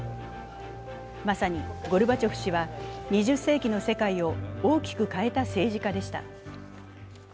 まさにゴルバチョフ氏は、２０世紀の世界を大きく変えた政治家でした。